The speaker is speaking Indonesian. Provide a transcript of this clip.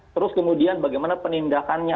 terus kemudian bagaimana penindakannya